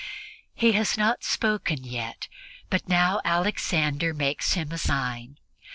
He has not spoken yet, but now Alexander makes him a sign.